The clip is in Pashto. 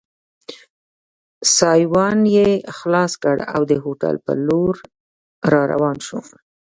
سایوان یې خلاص کړ او د هوټل په لور را روان شو.